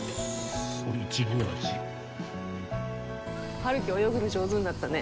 春樹泳ぐの上手になったね。